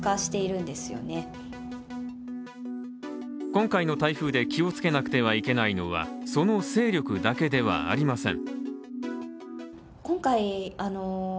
今回の台風で気をつけなくてはいけないのはその勢力だけではありません。